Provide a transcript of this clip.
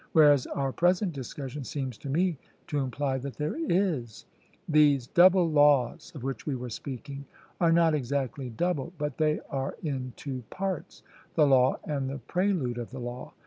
Whereas our present discussion seems to me to imply that there is; these double laws, of which we were speaking, are not exactly double, but they are in two parts, the law and the prelude of the law.